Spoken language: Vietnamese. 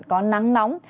có nắng nóng